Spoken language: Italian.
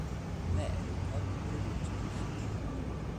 L'aereo cadde per ragioni sconosciute.